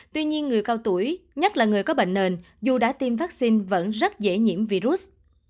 tuy nhiên người cao tuổi nhất là người có bệnh nền dù đã tiêm vaccine vẫn rất dễ nhiễm virus